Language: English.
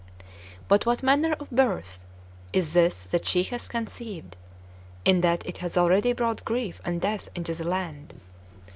"But what manner of birth, is this that she has conceived, in that it has already brought grief and death into the land?